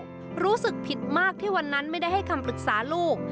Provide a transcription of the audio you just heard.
เป็นศพเสียชีวิตแล้วรู้สึกผิดมากที่วันนั้นไม่ได้ให้คำปรึกษาลูก